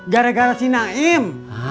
gara gara si naim